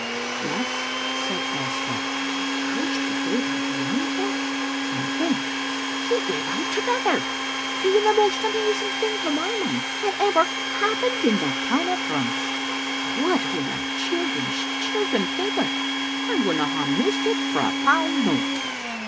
'" "Yes," said Elspeth, "first he gave out one text, and then he gave out another, being the most amazing thing to my mind that ever happened in the town of Thrums. Digitized by VjOOQ IC M tn>e Xittle atinistct. What will our children's children think o't? I wouldna hae missed it for a pound note."